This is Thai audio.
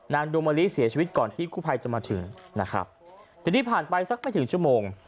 ดวงมะลิเสียชีวิตก่อนที่กู้ภัยจะมาถึงนะครับทีนี้ผ่านไปสักไม่ถึงชั่วโมง